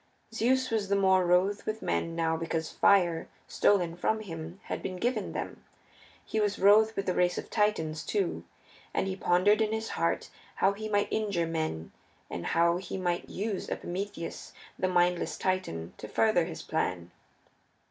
Zeus was the more wroth with men now because fire, stolen from him, had been given them; he was wroth with the race of Titans, too, and he pondered in his heart how he might injure men, and how he might use Epimetheus, the mindless Titan, to further his plan.